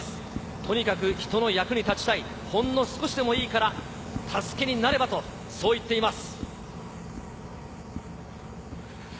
とにかく人の役に立ちたい、ほんの少しでもいいから助けになればと言っています。